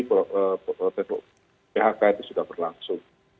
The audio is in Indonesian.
protokol phk itu sudah berlangsung